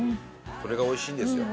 これがおいしいんですよ。